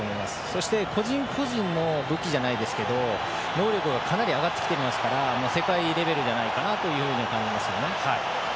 そして、個人個人の武器じゃないですけど能力がかなり上がってきていて世界レベルじゃないかと感じます。